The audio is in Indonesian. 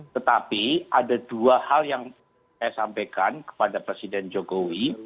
tetapi ada dua hal yang saya sampaikan kepada presiden jokowi